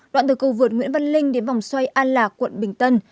đoạn từ cầu vượt nguyễn văn linh đến vòng xoay an lạc quận bình tân